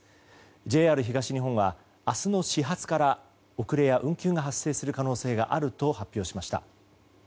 ＪＲ東日本は明日の始発から遅れや運休が発生する可能性があると発表しました。